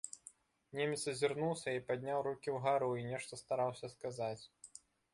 Немец азірнуўся і падняў рукі ўгару і нешта стараўся сказаць.